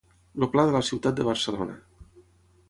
El pla de la ciutat de Barcelona.